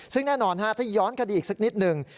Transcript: ซึ่งแน่นอนถ้าย้อนคดีอีกสักนิดหนึ่ง